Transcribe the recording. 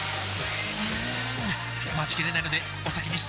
うーん待ちきれないのでお先に失礼！